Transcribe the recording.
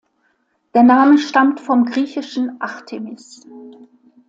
Der Name stammt vom griechischen Artemis.